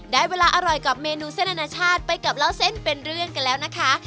ได้เวลาอร่อยกับเมนูเส้นอนาชาติไปกับเล่าเส้นเป็นเรื่องกันแล้วนะคะ